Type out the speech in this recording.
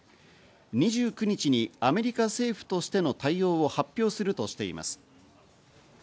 ２９日にアメリカ政府としての対応を発表するとしています。